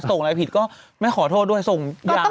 ส่งอะไรผิดก็ไม่ขอโทษด้วยส่งยา